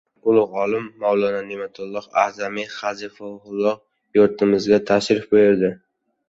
Ulug‘ olim, Mavlono Ne’matulloh A’zamiy hafizahulloh yurtimizga tashrif buyurdi